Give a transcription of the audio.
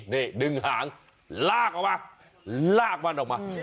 นี่ดึงหางลากออกมาลากมันออกมา